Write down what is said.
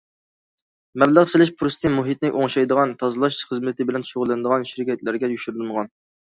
مەبلەغ سېلىش پۇرسىتى مۇھىتنى ئوڭشايدىغان تازىلاش خىزمىتى بىلەن شۇغۇللىنىدىغان شىركەتلەرگە يوشۇرۇنغان.